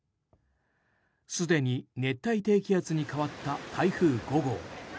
すでに熱帯低気圧に変わった台風５号。